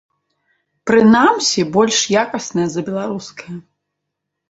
Прынамсі, больш якаснае за беларускае.